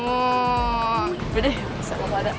udah deh siap sama pada